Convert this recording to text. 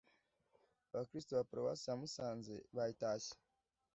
abakristu ba paruwasi ya musanze bayitashye